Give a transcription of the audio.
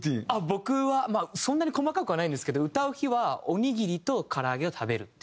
僕はそんなに細かくはないんですけど歌う日はおにぎりと唐揚げを食べるっていうだけですね。